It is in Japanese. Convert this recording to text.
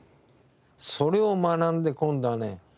それを学んで今度はね